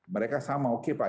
mereka sama oke pak